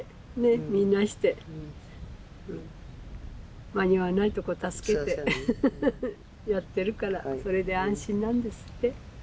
みんなして間に合わないところ助けてやってるからそれで安心なんですって。